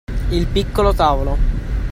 Il piccolo tavolo